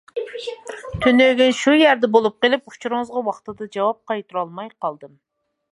تۈنۈگۈن شۇ يەردە بولۇپ قېلىپ، ئۇچۇرىڭىزغا ۋاقتىدا جاۋاب قايتۇرالماي قالدىم.